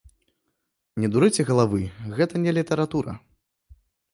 Не дурыце галавы, гэта не літаратура!